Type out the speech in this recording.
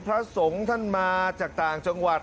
พระสงฆ์ท่านมาจากต่างจังหวัด